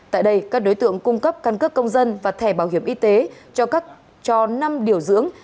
tại đây các đối tượng cung cấp căn cước công dân và thẻ bảo hiểm y tế cho năm điều dưỡng